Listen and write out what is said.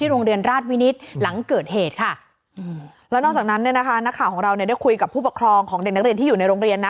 เราได้คุยกับผู้ปกครองของเด็กนักเรียนที่อยู่ในโรงเรียนนะ